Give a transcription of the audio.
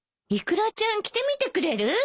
イクラちゃん着てみてくれる？